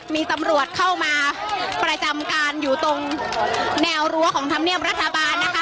มีตำรวจเข้ามาประจำการอยู่ตรงแนวรั้วของธรรมเนียมรัฐบาลนะคะ